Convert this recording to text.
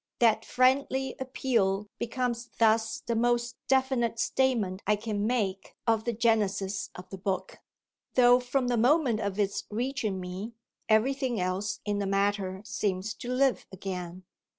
That friendly appeal becomes thus the most definite statement I can make of the "genesis" of the book; though from the moment of its reaching me everything else in the matter seems to live again.